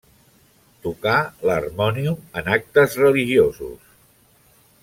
Tocà l'harmònium en actes religiosos.